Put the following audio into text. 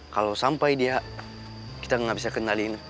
kalo sampai dia kita gak bisa kendaliin